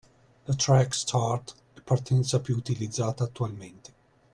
La track start è partenza più utilizzata attualmente.